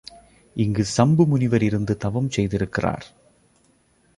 இங்கு சம்பு முனிவர் இருந்து தவம் செய்திருக்கிறார்.